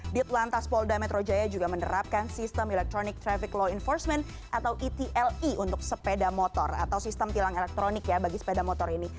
ditelantas polda metro jaya juga menerapkan sistem electronic traffic law enforcement atau etle untuk sepeda motor atau sistem tilang elektronik ya bagi sepeda motor ini